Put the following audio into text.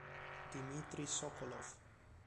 Dmitrij Sokolov